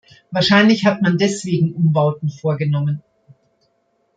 Wahrscheinlich hat man deswegen Umbauten vorgenommen.